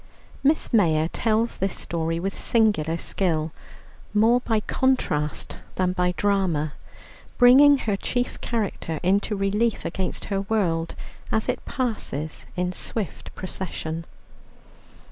Miss Mayor tells this story with singular skill, more by contrast than by drama, bringing her chief character into relief against her world, as it passes in swift procession.